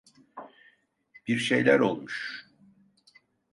Bir şeyler olmuş.